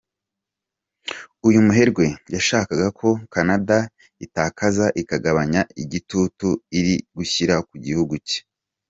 Uyu muherwe yashakaga ko Canada itakaza ikagabanya igitutu iri gushyira ku gihugu cye.